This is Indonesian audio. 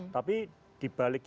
tapi di bahasa hukum